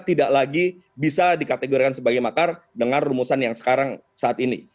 tidak lagi bisa dikategorikan sebagai makar dengan rumusan yang sekarang saat ini